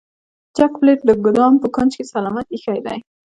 جک پلیټ د ګدام په کونج کې سلامت ایښی دی.